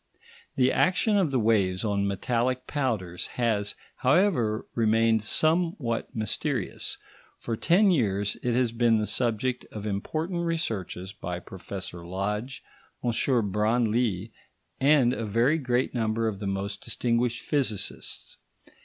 The action of the waves on metallic powders has, however, remained some what mysterious; for ten years it has been the subject of important researches by Professor Lodge, M. Branly, and a very great number of the most distinguished physicists.